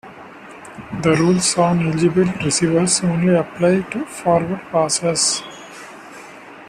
The rules on eligible receivers only apply to forward passes.